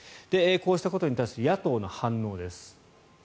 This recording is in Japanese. こうしたことに対する野党の反応です。